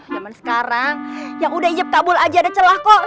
zaman sekarang yang udah ijep kabul aja ada celah kok